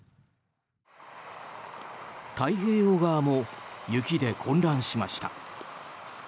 太平洋側も雪で混乱しました。